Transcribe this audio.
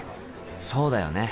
そうだよね。